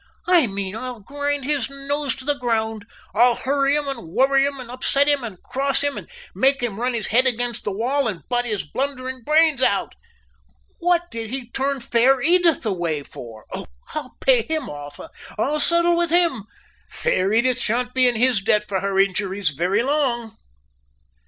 "I mean I'll grind his nose on the ground, I'll hurry him and worry him, and upset him, and cross him, and make him run his head against the wall, and butt his blundering brains out. What did he turn Fair Edith away for? Oh! I'll pay him off! I'll settle with him! Fair Edith shan't be in his debt for her injuries very long."